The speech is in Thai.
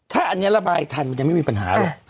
ถ้าอันนี้ระบายทันมันยังไม่มีปัญหาหรอก